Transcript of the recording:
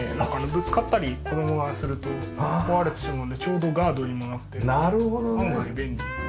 ぶつかったり子供がすると壊れてしまうのでちょうどガードにもなって案外便利。